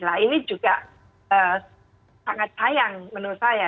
nah ini juga sangat sayang menurut saya